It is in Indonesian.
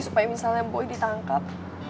supaya misalnya boy ditangkap